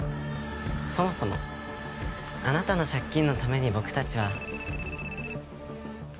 そもそもあなたの借金のために僕たちは。